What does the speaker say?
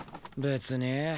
別に。